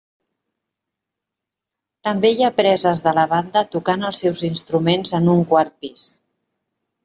També hi ha preses de la banda tocant els seus instruments en un quart pis.